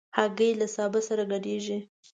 هګۍ له سابه سره ګډېږي.